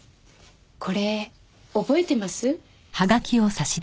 これ覚えてます？